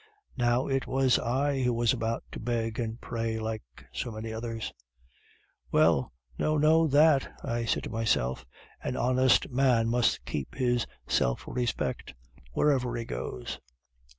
Now it was I who was about to beg and pray like so many others. "'Well, no, not that,' I said to myself; 'an honest man must keep his self respect wherever he goes.